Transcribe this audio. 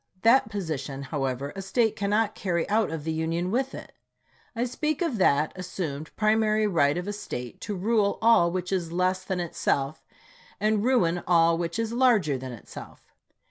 That position, however, a State cannot carry out of the Union with it. I speak of that assumed primary right of a State to rule all which is less than itself, and ruin all which is larger than itself.